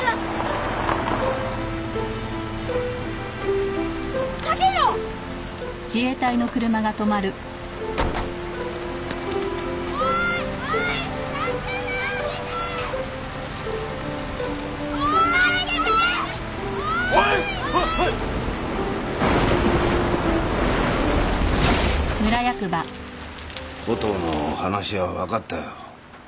コトーの話は分かったよ。